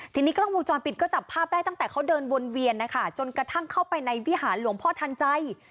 ทีนี้กล้องวงจรปิดก็จับภาพได้ตั้งแต่เขาเดินวนเวียนนะคะจนกระทั่งเข้าไปในวิหารหลวงพ่อทันใจ